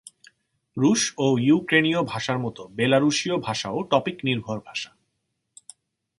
রুশ ও ইউক্রেনীয় ভাষার মত বেলারুশীয় ভাষাও টপিক-নির্ভর ভাষা।